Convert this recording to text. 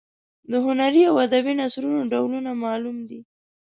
د هنري او ادبي نثرونو ډولونه معلوم دي.